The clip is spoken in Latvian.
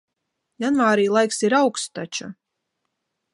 Janvārī laiks ir auksts taču.